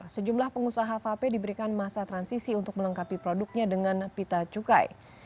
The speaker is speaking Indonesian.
sejumlah pengusaha vape diberikan masa transisi untuk melengkapi produknya dengan pita cukai